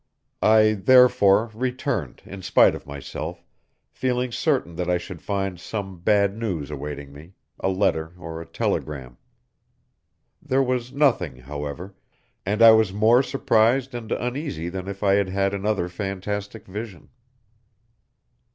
I, therefore, returned in spite of myself, feeling certain that I should find some bad news awaiting me, a letter or a telegram. There was nothing, however, and I was more surprised and uneasy than if I had had another fantastic vision.